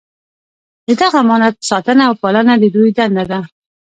د دغه امانت ساتنه او پالنه د دوی دنده ده.